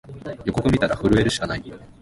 予告みたら震えるしかない